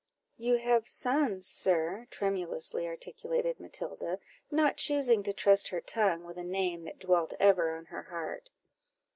"You have sons, sir," tremulously articulated Matilda, not choosing to trust her tongue with a name that dwelt ever on her heart.